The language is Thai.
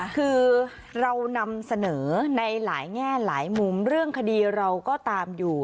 คือเรานำเสนอในหลายแง่หลายมุมเรื่องคดีเราก็ตามอยู่